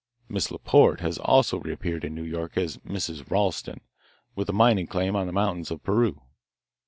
Miss Laporte has also reappeared in New York as Mrs. Ralston, with a mining claim in the mountains of Peru."